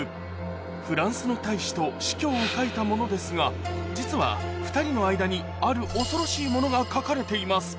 フランスの大使と司教を描いたものですが実は２人の間にある恐ろしいものが描かれています